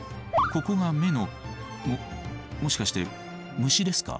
ここが目のももしかして虫ですか？